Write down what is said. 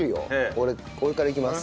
俺からいきます。